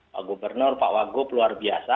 pak gubernur pak wagub luar biasa